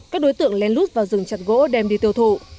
các đối tượng len lút vào rừng chặt gỗ đem đi tiêu thụ